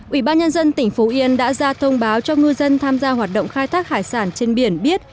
ủy ban nhân dân tỉnh phú yên đã ra thông báo cho ngư dân tham gia hoạt động khai thác hải sản trên biển biết